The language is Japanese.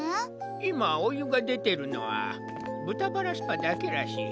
いまおゆがでてるのはぶたバラスパだけらしい。